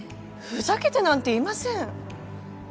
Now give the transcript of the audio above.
ふざけてなんていません。